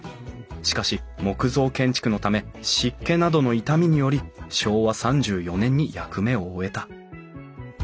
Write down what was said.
しかし木造建築のため湿気などの傷みにより昭和３４年に役目を終えた。